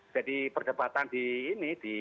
jadi perdebatan di ini